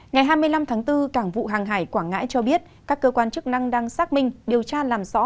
ngày hai mươi năm tháng bốn cảng vụ hàng hải quảng ngãi cho biết các cơ quan chức năng đang xác minh điều tra làm rõ